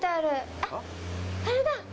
あっ、あれだ！